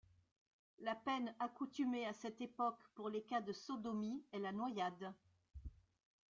La peine accoutumée à cette époque pour les cas de sodomie est la noyade.